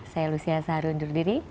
saya lucia saharu undur diri